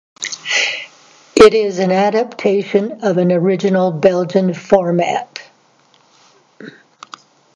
It is an adaptation of an original Belgian format.